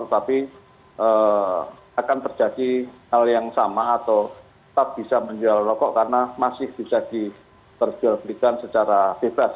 tapi akan terjadi hal yang sama atau tetap bisa menjual rokok karena masih bisa diperjualbelikan secara bebas